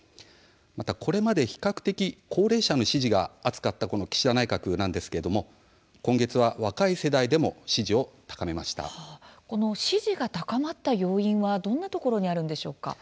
また、これまで比較的高齢者の支持が厚かった岸田内閣なんですけれども今月は若い世代でも支持が高まった要因はどんなところにあるんでしょうか。